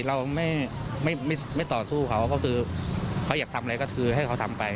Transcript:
เราไม่ต่อสู้เขาก็คือเขาอยากทำอะไรก็คือให้เขาทำไป